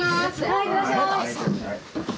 はいいってらっしゃい。